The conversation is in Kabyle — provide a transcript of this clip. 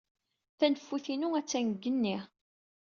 Taneffut-inu attan deg yigenni.